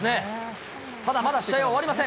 ただまだ試合は終わりません。